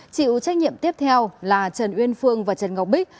chịu trách nhiệm tiếp theo là trần uyên phương và trần ngọc bích